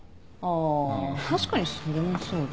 あ確かにそれもそうね。